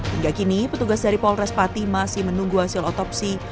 hingga kini petugas dari polres pati masih menunggu hasil otopsi